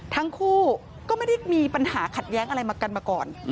ทั้งคู่ก็ไม่ได้มีปัญหาขัดแย้งอะไรมากันมาก่อน